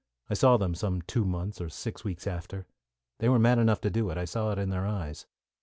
I saw them some two months or six weeks after. They were mad enough to do it. I saw it in their eyes.